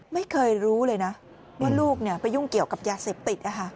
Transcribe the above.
ไม่เคยรู้เลยนะว่าลูกไปยุ่งเกี่ยวกับยาเสพติด